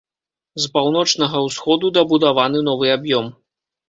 З паўночнага ўсходу дабудаваны новы аб'ём.